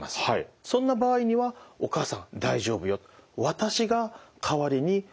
そんな場合には「お母さん大丈夫よ」。